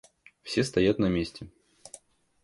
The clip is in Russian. Все стоят на месте.